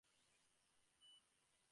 তুমি মদ এনেছো, বালক।